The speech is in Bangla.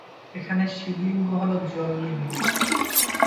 এখানে শিবলিঙ্গ হল জল লিঙ্গ।